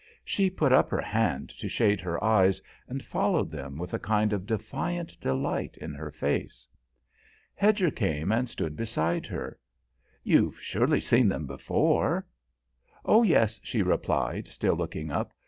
She put up her hand to shade her eyes and followed them with a kind of defiant delight in her face. Hedger came and stood beside her. "You've surely seen them before?" "Oh, yes," she replied, still looking up.